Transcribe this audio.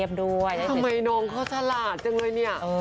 ผมสามารถตให้น่าย